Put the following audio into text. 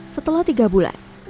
setelah tiga bulan